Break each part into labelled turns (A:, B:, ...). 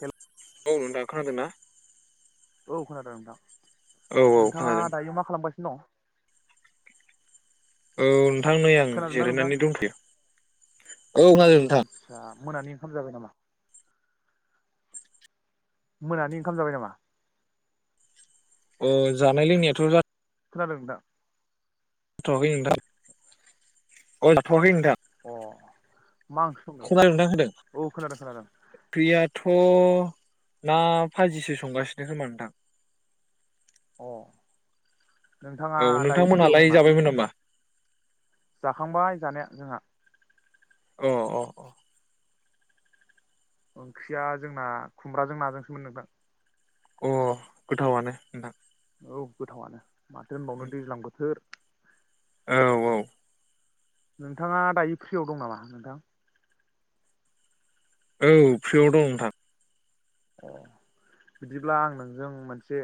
A: Hello
B: औ नोंथां खोनादोंना?
A: औ खोनादों नोंथां
B: औ
A: नोंथांङा
B: खोनादों
A: दायो मा खालामबाय दं
B: औ नोंथां नै आं
A: खोनादोंना नोंथां
B: जिरायनानै दंथ'यो औ खोनादों नोंथां
A: आदसा मोनानि ओंखाम जाबाय नामा? मोनानि ओंखाम जाबाय नामा?
B: अ जानाय लोंनायाथ'जा
A: दा [inaudible]
B: थ'आखै नोंथां अ जाथ'आखै उम
A: अ मा ओंख्रि संदों
B: खब नां होदों
A: औ खोनादों खोनादों
B: [inaudible] थ' ना फाजिसो संगासिनो खोमा नोंथां
A: अ नोंथाङा
B: औ
A: दायो फ्रियाव
B: नोंथांमोनहालाय
A: दंना
B: जाबायमोन नामा?
A: जाखांबाय जानाया जोंहा
B: अ अ अ
A: ओंख्रिया जोंना खुमब्राजों नाजोंसोमोन नोंथां
B: अ गोथाववानो नोंथां
A: औ गोथाववानो माथो होनबावनो दैज्लां बोथोर
B: औ औ
A: नोंथांङा दायो फ्रियाव दं नामा नोंथां?
B: औ फ्रियाव दं नोंथां
A: अ बिदिब्ला आं नोंजों मोनसे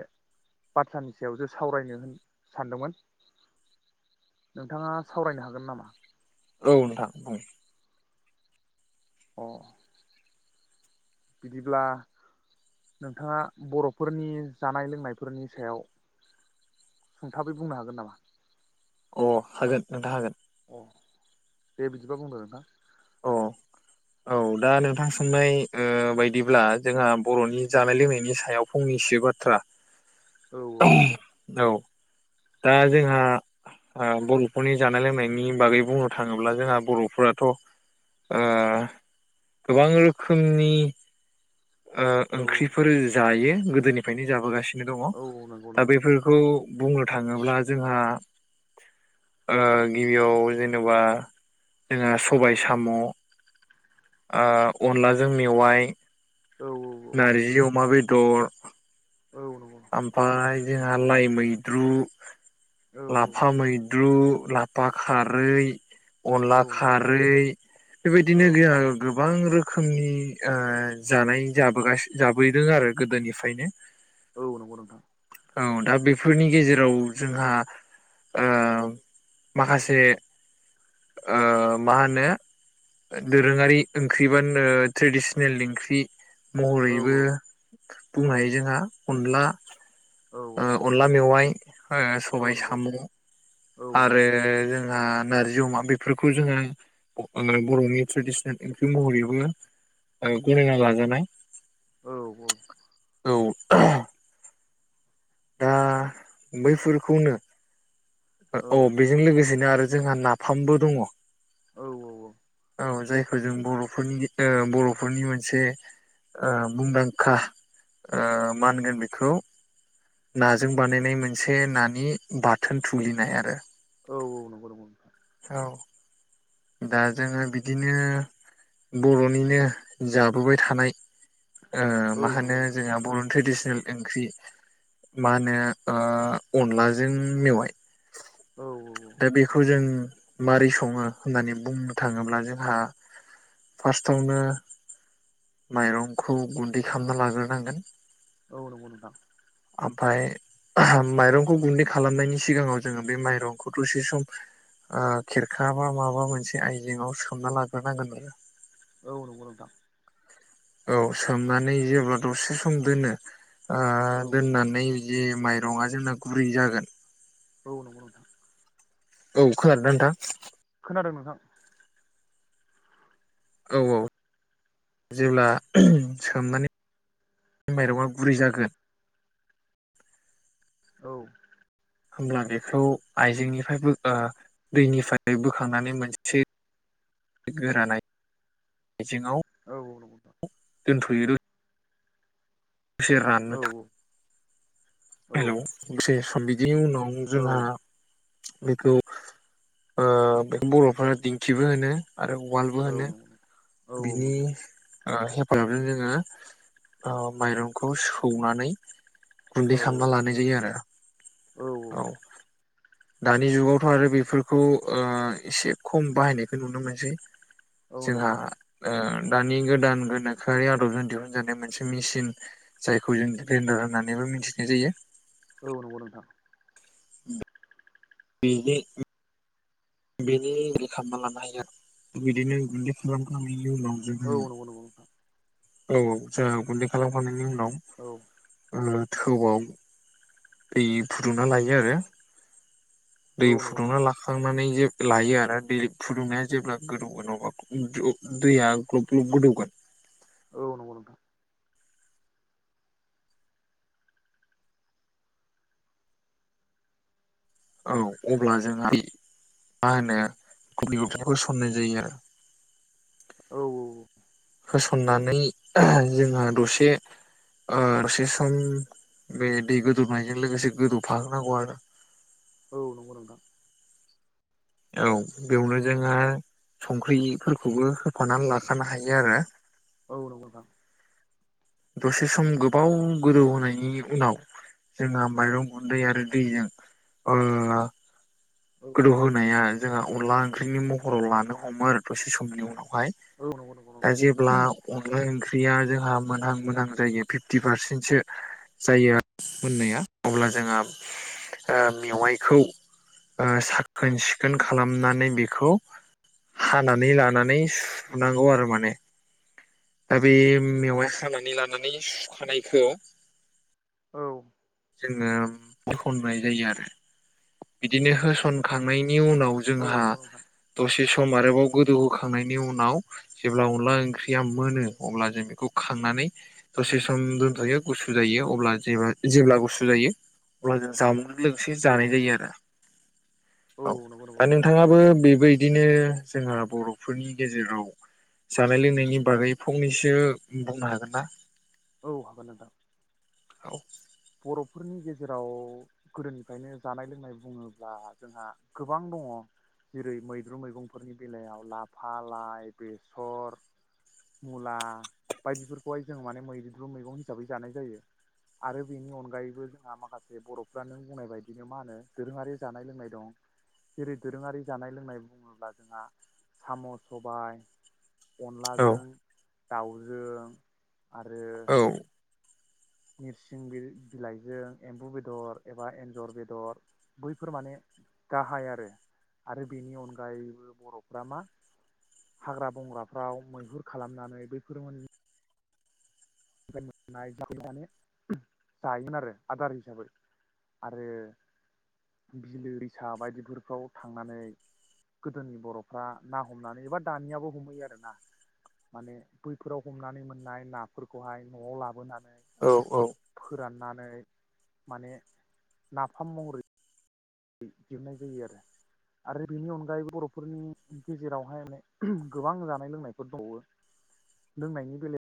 A: बाथ्रानि सायावसो सावरायनो होन सानदोंमोन नोंथांङा सावरायनो हागोन नामा?
B: औ नोंथां औ
A: अ बिदिब्ला नोंथांङा बर'फोरनि जानाय लोंनायफोरनि सायाव सुंथाबै बुंनो हागोन नामा?
B: अ हागोन नोंथां हागोन
A: अ दे बिदिबा बुंदो नोंथां
B: अ औ दा नोंथां सोंनाय ओ बायदिब्ला जोंहा बर'नि जानाय लोंनायनि सायाव फंनैसो बाथ्रा औ औ दा जोंहा आ बर'फोरनि जानाय लोंनायनि बागै बुंनो थांङोब्ला जोंहा बर'फोराथ' ओ गोबां रोखोमनि ओ
A: औ
B: ओंख्रिफोर जायो गोदोनिफ्रायनो जाबोगासिनो दंङ
A: औ औ नंगौ
B: दा
A: नंगौ
B: बेफोरखौ बुंनो थांङोब्ला जोंहा ओ गिबियाव जेनेबा जोंहा सबाय साम' ओ अनलाजों मेवाइ
A: औ
B: नारिज अमा बे दर
A: औ नंगौ
B: आमफाय जोंहा लाइ मैद्रु
A: औ
B: लाफा मैद्रु लाफा खारै अनला
A: औ नंगौ
B: खारै
A: औ
B: बेबायदिनो जिया गोब बां रोखोमनि ओ जानाय जाबोगासिन जाबोदों आरो गोदोनिफ्रायनो
A: अह नंगौ नोंथां
B: औ दा बेफोरनि गेजेराव जोंहा ओ माखासे ओ मा होनो दोरोङारि ओंख्रि बा ट्रेडिसनेल ओंख्रि
A: औ
B: महरैबो
A: औ
B: बुंनाय जोंहा अनला
A: औ
B: ओ अनला मेवाइ ओ
A: औ
B: सबाय
A: नंगौ
B: साम
A: औ नंगौ
B: आरो जों आ ना नारजि अमा बेफोरखौ जोङो बर'नि ट्रेडिसनेल ओंख्रि महरैबो ओ गनायना लाजानाय
A: औ औ
B: औ दा बैफोरखौनो औ बेजों लोगोसेनो आरो जोंहा नाफामबो दङ
A: औ औ औ
B: औ जायखौ जों बर'फोरनि ओ बर'फोरनि मोनसे ओ मुंदांखा ओ माहोनगोन बेखौ नाजों बानायनाय मोनसे नानि बाथोन थुग्लिनाय आरो
A: औ औ नंगौ नंगौ
B: औ दा जोङो बिदिनो बर'निनो जाबोबाय थानाय ओ
A: औ
B: मा
A: नंगौ
B: होनो
A: नोंथां
B: जोंहा बर' ट्रेडिस सन ओंख्रि मा होनो अनलाजों मेवाय
A: औ
B: दा बेखौ जों मारै सङो होननानै बुंनो थाङोब्ला जोंहा फार्स्टआवनो माइरंखौ गुन्दै खालामना लाग्रोनांगोन
A: औ नंगौ नोंथां
B: आमफाय माइरंखौ गुन्दै खालामनायनि सिगाङाव जोङो बे माइरंखौ दसे सम ओ खेरखा बा माबा मोनसे आयजेंआव सोमना लाग्रोनांगोन नोंङो
A: औ नंगौ नोंथां
B: औ सोमनानै जेब्ला दसे सम दोनो ओ
A: औ
B: दोननानै जे माइरङा जोंना गुरै जागोन
A: औ नंगौ नोंथां
B: औ खोनादोंना नोंथां
A: दों नोंथां
B: औ औ जेब्ला सोमनानै माइरंआ गुरै जागोन
A: औ औ
B: होमब्ला बेखौ आइजेंनिफ्रायबो ओ दैनिफ्राय बोखांनानै मोनसे गोरानाय
A: औ औ नंगौ नोंथां
B: दोनथ'योयै से राननो
A: औ
B: थाखा
A: औ
B: हेलौ दसे सम बिदि उनाव अं
A: औ
B: जोंहा बेखौ ऐ बर'फोरा दिंखिबो होनो आरो उवालबो
A: औ
B: होनो।
A: नंगौ औ औ
B: बिनि
A: नंगौ
B: ओ हेफाजाबजों जोङो माइरंखौ सौनानै गुन्दै
A: औ
B: खालामना लानाय जायो आरो औ दानि जुगावथ' आरो बेफोरखौ ओ एसे खम बाहायनायखौ नुनो मोनसै।
A: औ नंगौ नोंथां
B: ऐ दानि गोदान गोनोखोआरि आदबजों दिहुनजानाय मोनसे मिसिन जायखौ जों बेन्डार होननानैबो मिथिनाय जायो।
A: औ नंगौ नोंथां
B: इनो ओ बेनि रे खालामना लानो हायो आरो बिदिनो गुन्दै प्रग्राम
A: औ
B: खालाम [unintelligible]
A: नंगौ नंगौ नोंथां
B: औ जोंहा गुन्दै खालामखांनायनि उनाव
A: औ
B: नाव ओम थौआव दै फुदुंना लायो आरो दै
A: औ नंगौ
B: फुदुंना
A: नोंथां
B: लाखांनानै जे लायो आरो दै फुदुंनाया जेब्ला गोदौगोन अब्ला दैया ग्लब ग्लब गोदौगोन
A: औ नंगौ नोंथां
B: औ अब्ला जोंहा बे मा होनो गुन्दैखौ होसननाय जायो आरो
A: औ
B: होसननानै जोङो दसे ओ दसे सम बे दै गोदौनायजों लोगोसे गोदौफाहोनांगौ आरो
A: औ नंगौ नोंथां
B: औ बेवनो जोङो संख्रिफोरखौबो होफानानै लाखानो हायो आरो
A: औ नंगौ नोंथां
B: दसे सम गोबाव गोदौ होनायनि उनाव जोंहा माइरं गुन्दै आरो दैजों ओ
A: औ
B: गोदौहोनाया जोंहा अनला ओंख्रिनि महराव लानो हमो आरो दसे समनि उनाव वाइ
A: औ नंगौ नंगौ
B: दा
A: नोंथां
B: जेब्ला अनला ओंख्रि ख्रिया जोंहा मोनहां मोनहां जायो फिफ्टि पारसेन्टसो जायो मोननाया अब्ला जोंहा ओ मेवाइखौ ओ साखोन सिखोन खालाम लामनानै बेखौ हानानै लानानै सुनांगौ आरो माने दा बे मेवाय खानानै लानानै सुखानायखौ
A: औ
B: जोङो [unintelligible] जायो आरो बिदिनो होसनखांनाय नि उनाव
A: नोंथां औ
B: जोंहा
A: नंगौ नंगौ
B: दसे स सम आरोबाव गोदौ होखांनायनि उनाव जेब्ला अनला ओंख्रिया मोनो अब्ला जों बेखौ खांनानै दसे सम
A: नोंथां
B: दोनथ'यो गुसु जायो अब्ला जेबा जेब्ला गुसु जायो। अब्ला जों जामुं लोगोसे
A: औ
B: जानाय जायो आरो। औ। दा नोंथाङाबो बेबायदिनो जोंहा बर'फोरनि गेजेराव जानाय लोंनायनि बागै फंनैसो बुंनो हागोन ना?
A: औ हागोन नोंथां।
B: औ।
A: बर'फोरनि गेजेराव गोदोनिफ्रायनो जानाय लोंनाय बुङोब्ला जोंहा गोबां दङ'। जेरै मैद्रु मैगंफोरनि बेलायाव लाफा, लाइ, बेसर, मुला बायदिफोरखौहाय जों माने मैद्रु मैगं हिसाबै जानाय जायो। आरो बेनि अनगायैबो जोंहा माखासे बर'फ्रानो नों बुंनाय बायदिनो मा होनो दोरोङारि जानाय लोंनाय दं। जेरै दोरोङारि जानाय लोंनाय बुङोब्ला जोंहा साम' सबाय
B: औ
A: अनलाजों दाउजों आरो
B: औ
A: निरसिं बि-बिलाइजों एम्बु बेदर एबा एन्जर बेदर बैफोर माने गाहाय आरो। आरो बेनि अनगायैबो बर'फ्रा मा हाग्रा बंग्राफ्राव मैहुर खालामनानै बैफोर मोन मोननाय [unintelligible] जायोमोन आरो आदार हिसाबै आरो बिलो रिसा बायदिगुरफ्राव थांनानै गोदोनि बर'फ्रा ना हमनानै एबा दानियाबो हमहैयो आरो ना। माने बैफोराव हमनानै मोननाय नाफोरखौहाय न'आव लाबोना
B: औ औ।
A: नै माने नाफाम महरै दिहनाय जायो आरो। आरो बेनि अनगायैबो बर'फोरनि गेजेरावहाय माने गोबां जानाय लोंनायफोर दंबावो ‌ लोंनायनि बेलायाव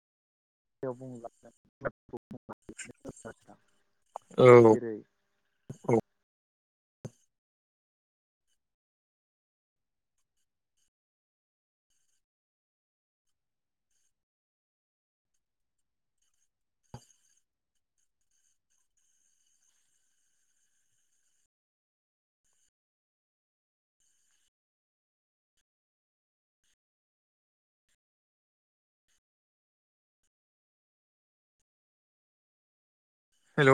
A: [unintelligible] बुङोब्ला [unintelligible]
B: औ
A: जेरै
B: औ। हेलौ'